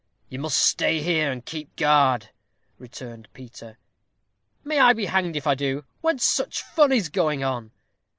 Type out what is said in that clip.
"You must stay here, and keep guard," returned Peter. "May I be hanged if I do, when such fun is going on."